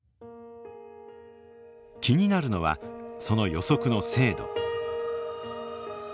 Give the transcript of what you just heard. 気になるのはその予測の精度。